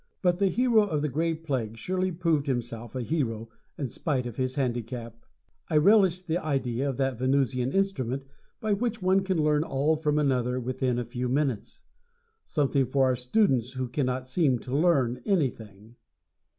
But the hero of "The Gray Plague" surely proved himself a hero, in spite of his handicap. I relish the idea of that Venusian instrument, by which one can learn all from another within a few minutes. Something for our students who cannot seem to learn anything.